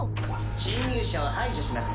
侵入者を排除します。